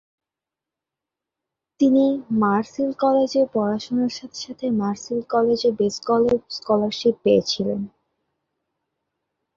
তিনি Mars Hill college এ পড়াশোনার সাথে সাথে মার্স হিল কলেজ এ বেসবল এ স্কলারশিপ পেয়েছিলেন।